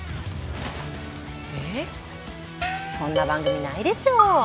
えそんな番組ないでしょ。